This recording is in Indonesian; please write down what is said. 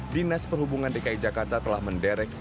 dinas perhubungan dki jakarta telah menderek